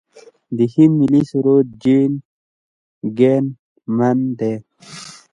د هند ملي سرود جن ګن من دی.